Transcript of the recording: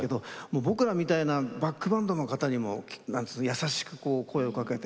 僕らみたいなバックバンドの方にも優しく声をかけていただいて。